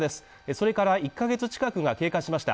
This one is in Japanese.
それから１ヶ月近くが経過しました。